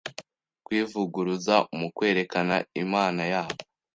kwivuguruza mu kwerekana imanayabo